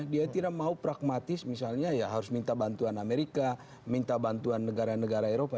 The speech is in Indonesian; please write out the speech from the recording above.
dia tidak mau pragmatis misalnya ya harus minta bantuan amerika minta bantuan negara negara eropa